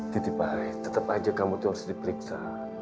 giti pai tetep aja kamu harus dipiksa